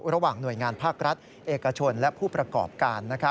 ระหว่างหน่วยงานภาครัฐเอกชนและผู้ประกอบการ